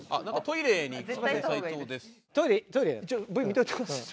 Ｖ見ておいてください。